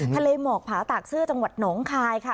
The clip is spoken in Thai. ทะเลหมอกผาตากซื่อจังหวัดหนองคายค่ะ